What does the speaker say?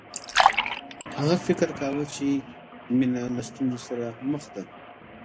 هغه فکر کاوه چې مینه له ستونزو سره مخ ده